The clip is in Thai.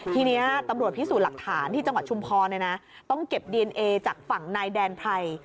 ทีนี้ตำรวจพิสูจน์หลักฐานที่จังหวัดชุมพรต้องเก็บดีเอนเอจากฝั่งนายแดนไพร